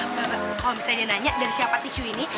mbak kalo misalnya dia nanya dari siapa tisu ini